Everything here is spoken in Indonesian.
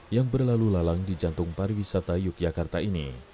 yang berlalu lalang di jantung pariwisata yogyakarta ini